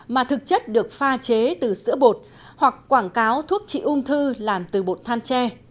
mà thực chất được pha chế từ sữa bột hoặc quảng cáo thuốc trị ung thư làm từ bột than tre